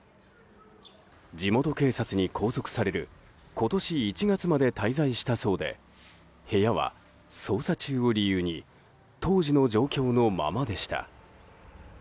地元警察に拘束される今年１月まで滞在したそうで部屋は捜査中を理由に当時の状況のままでした。